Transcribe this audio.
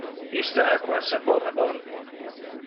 Iste aqua sapora bon.